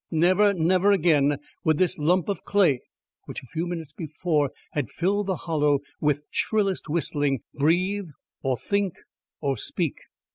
Never, never again would this lump of clay, which a few minutes before had filled the Hollow with shrillest whistling, breathe or think or speak.